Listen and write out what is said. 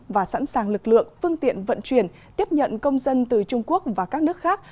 và sẵn sàng lực lượng phương tiện vận chuyển tiếp nhận công dân từ trung quốc và các nước khác